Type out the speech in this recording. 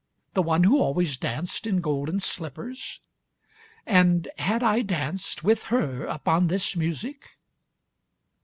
The one who always danced in golden slippers?â And had I danced, with her, upon this music?